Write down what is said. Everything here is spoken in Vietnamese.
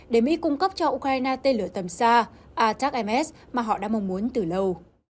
để mỹ cung cấp cho ukraine tên lửa tầm xa atak ms mà họ đã mong muốn từ lâu